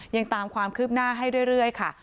ยังตามความคืบหน้าให้เรื่อยค่ะ